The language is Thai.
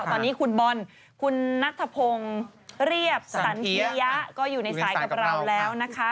ตอนนี้คุณบอลคุณนัทธพงศ์เรียบสันเฮียะก็อยู่ในสายกับเราแล้วนะคะ